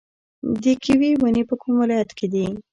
د کیوي ونې په کوم ولایت کې دي؟